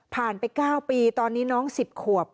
ไป๙ปีตอนนี้น้อง๑๐ขวบ